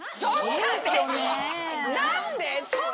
何で？